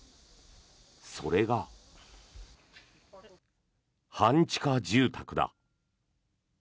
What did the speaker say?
それが半地下住宅だ。